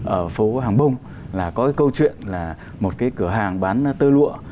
ở phố hàng bông là có cái câu chuyện là một cái cửa hàng bán tơ lụa